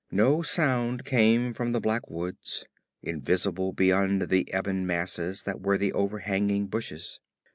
No sound came from the black woods, invisible beyond the ebony masses that were the overhanging bushes.